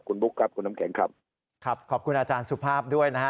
คุณบุ๊คครับคุณน้ำแข็งครับครับขอบคุณอาจารย์สุภาพด้วยนะฮะ